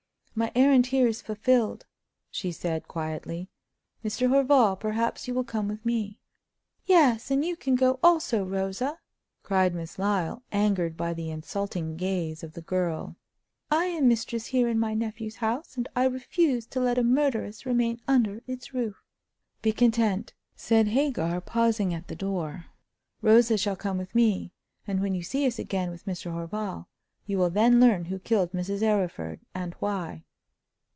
"My errand here is fulfilled," she said, quietly. "Mr. Horval, perhaps you will come with me." "Yes, and you can go also, Rosa," cried Miss Lyle, angered by the insulting gaze of the girl. "I am mistress here in my nephew's house, and I refuse to let a murderess remain under its roof!" "Be content," said Hagar, pausing at the door. "Rosa shall come with me; and when you see us again with Mr. Horval, you will then learn who killed Mrs. Arryford, and why."